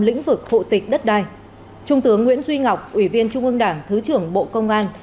lĩnh vực hộ tịch đất đai trung tướng nguyễn duy ngọc ủy viên trung ương đảng thứ trưởng bộ công an